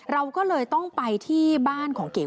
เราก็เลยต้องไปที่บ้านของเก๋